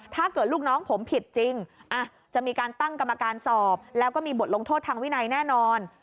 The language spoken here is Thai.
ถ้าเกิดลูกน้องผมผิดจริงจะมีการตั้งกรรมการสอบแล้วก็มีบทลงโทษทางวินัยแน่นอน